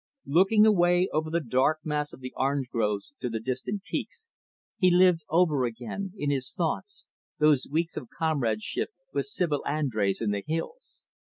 Looking away over the dark mass of the orange groves to the distant peaks, he lived over again, in his thoughts, those weeks of comradeship with Sibyl Andrés in the hills.